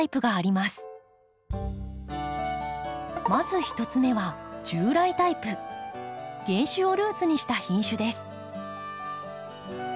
まず１つ目は原種をルーツにした品種です。